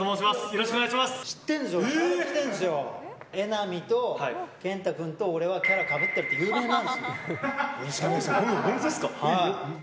榎並と賢太君と俺はキャラかぶってるって有名なんですよ。